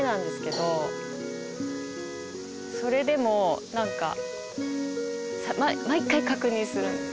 それでもなんか毎回確認するんです。